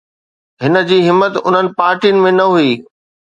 هن جي همت انهن پارٽين ۾ نه هئي.